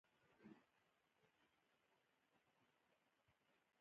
د ايډېسن پلورونکو له دې ماشين سره علاقه ونه ښوده.